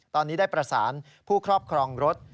ตอนนี้ได้ประสานผู้ครอบครองรถ